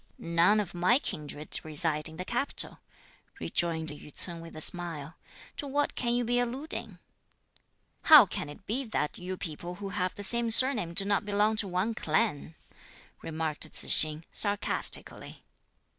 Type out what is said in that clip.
"None of my kindred reside in the capital," rejoined Yü ts'un with a smile. "To what can you be alluding?" "How can it be that you people who have the same surname do not belong to one clan?" remarked Tzu hsing, sarcastically.